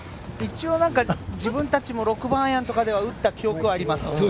自分たちも６番アイアンとかで打った記憶はあります。